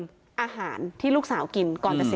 อยู่ดีมาตายแบบเปลือยคาห้องน้ำได้ยังไง